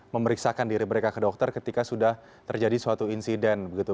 memeriksakan diri mereka ke dokter ketika sudah terjadi suatu insiden begitu